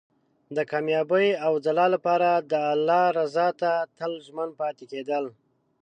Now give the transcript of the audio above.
د کامیابۍ او ځلا لپاره د الله رضا ته تل ژمن پاتې کېدل.